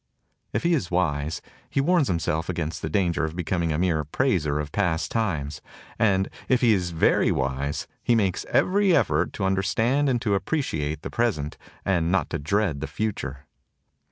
If he is wise, he warns himself against the danger of becoming a mere praiser of past times; and if he is very wise he makes every effort to understand and to appreciate the pres ent and not to dread the future.